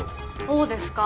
そうですか？